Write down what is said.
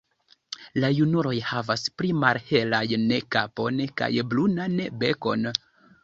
La junuloj havas pli malhelajn kapon kaj brunan bekon.